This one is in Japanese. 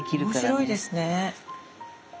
面白いですね。